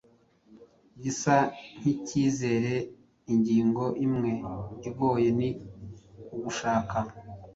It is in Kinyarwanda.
gisa nkicyizere Ingingo imwe igoye ni ugushaka